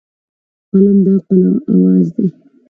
قلم د عقل اواز دی.